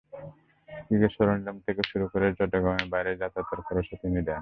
Cricket সরঞ্জাম থেকে শুরু করে চট্টগ্রামের বাইরে যাতায়াতের খরচও তিনি দেন।